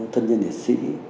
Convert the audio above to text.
thân nhân liệt sĩ